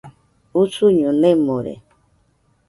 Usuño nemore.